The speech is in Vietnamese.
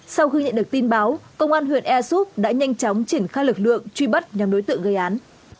sau khi nhận được tin báo công an huyện ea súp đã nhanh chóng triển khai lực lượng truy bắt nhóm đối tượng gây án